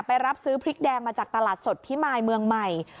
รับซื้อพริกแดงมาจากตลาดสดพิมายเมืองใหม่